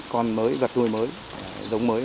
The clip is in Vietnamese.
con mới vật nuôi mới